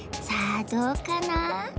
さあどうかな？